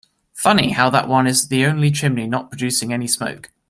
Funny how that one is the only chimney not producing any smoke.